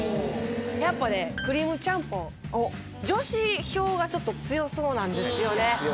やっぱねクリームちゃんぽんおっ女子票がちょっと強そうなんですよね